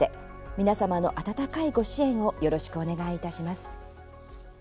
皆様の温かいご支援をよろしくお願いいたします。